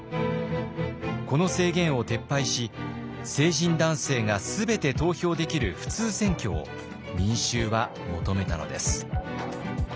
この制限を撤廃し成人男性が全て投票できる普通選挙を民衆は求めたのです。